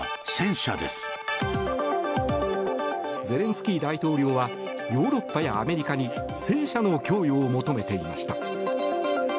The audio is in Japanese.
ゼレンスキー大統領はヨーロッパやアメリカに戦車の供与を求めていました。